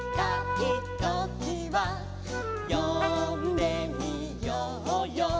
「よんでみようよ